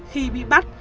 khi bị bắt